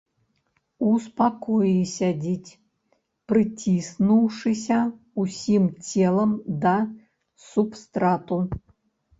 У спакоі сядзяць, прыціснуўшыся ўсім целам да субстрату.